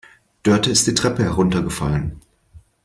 Dörte ist die Treppe heruntergefallen.